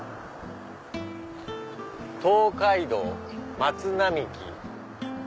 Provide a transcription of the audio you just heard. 「東海道松並木」。